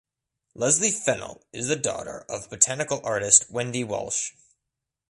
Lesley Fennell is the daughter of botanical artist Wendy Walsh.